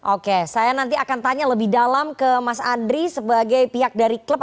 oke saya nanti akan tanya lebih dalam ke mas andri sebagai pihak dari klub